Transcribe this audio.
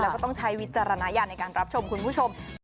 แล้วก็ต้องใช้วิจารณญาณในการรับชมคุณผู้ชม